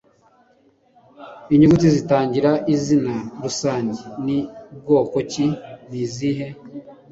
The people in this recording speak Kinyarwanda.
Inyuguti zitangira izina rusange ni bwoko ki? Ni izihe?